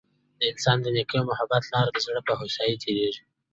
د انسان د نیکۍ او محبت لار د زړه په هوسايۍ تیریږي.